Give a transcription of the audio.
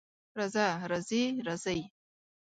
راځه، راځې، راځئ